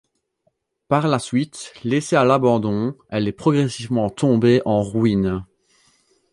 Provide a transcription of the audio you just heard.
Par la suite, laissée à l'abandon, elle est progressivement tombée en ruines.